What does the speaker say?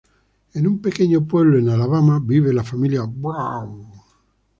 En un pequeño pueblo en Alabama vive la familia Brown.